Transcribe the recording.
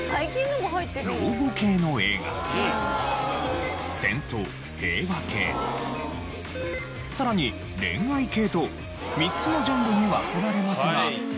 老後系の映画戦争・平和系さらに恋愛系と３つのジャンルに分けられますが。